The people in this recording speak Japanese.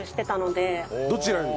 どちらに？